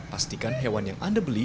pastikan hewan yang anda beli